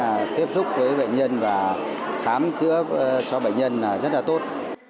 và coi thế là tiếp xúc với bệnh nhân và khám chữa cho bệnh nhân rất là tốt